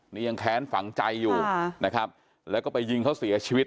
นี่ยังแค้นฝังใจอยู่นะครับแล้วก็ไปยิงเขาเสียชีวิต